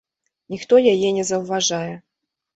Ніхто яе не заўважае.